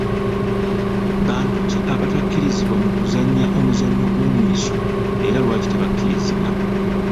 Bantu ki abatakkirizibwa mu kuzannya omuzannyo gw’omweso era lwaki tebakkirizibwa?